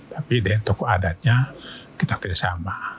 tapi deh tokoh adatnya kita tidak sama